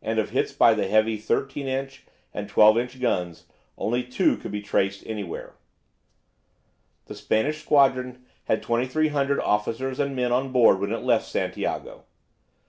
And of hits by the heavy 13 inch and 12 inch guns, only two could be traced anywhere. The Spanish squadron had 2300 officers and men on board when it left Santiago.